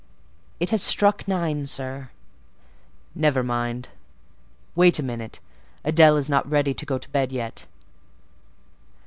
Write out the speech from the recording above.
"It has struck nine, sir." "Never mind,—wait a minute: Adèle is not ready to go to bed yet.